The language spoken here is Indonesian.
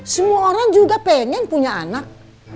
semua orang juga pengen punya anak